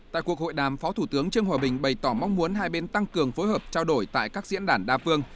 tại cuộc hội đàm phó thủ tướng trương hòa bình bày tỏ mong muốn hai bên tăng cường phối hợp trao đổi tại các diễn đàn đa phương